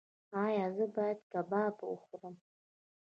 ایا زه باید کباب وخورم؟